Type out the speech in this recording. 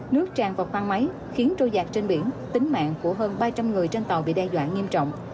nước tràn vào khoang máy khiến trôi giặc trên biển tính mạng của hơn ba trăm linh người trên tàu bị đe dọa nghiêm trọng